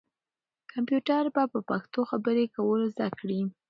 کمپیوټر به په پښتو خبرې کول زده کړي.